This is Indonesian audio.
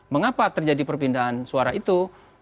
mengapa terjadi perpindahan suara itu